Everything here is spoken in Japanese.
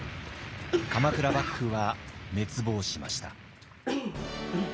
鎌倉幕府は滅亡しました。